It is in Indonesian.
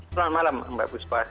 selamat malam mbak buspa